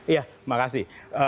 ya terima kasih